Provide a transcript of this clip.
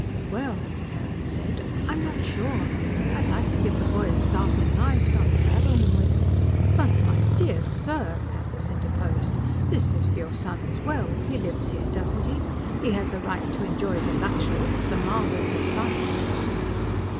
"Well," Carrin said, "I'm not sure. I'd like to give the boy a start in life, not saddle him with " "But my dear sir," Pathis interposed, "this is for your son as well. He lives here, doesn't he? He has a right to enjoy the luxuries, the marvels of science."